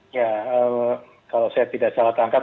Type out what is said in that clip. ya kalau saya tidak salah tangkap